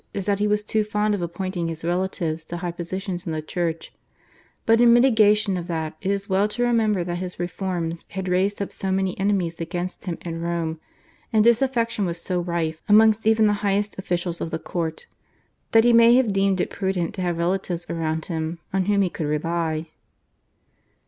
is that he was too fond of appointing his relatives to high positions in the Church; but in mitigation of that it is well to remember that his reforms had raised up so many enemies against him in Rome, and disaffection was so rife amongst even the highest officials of his court, that he may have deemed it prudent to have relatives around him on whom he could rely.